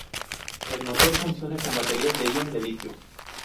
El motor funciona con Baterías de ion de litio.